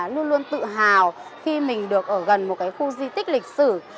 luôn luôn tự hào khi mình được ở gần một cái khu di tích lịch sử